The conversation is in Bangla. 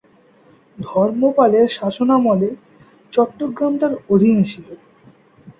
ধর্মপালের শাসনামলে চট্টগ্রাম তার অধীনে ছিল।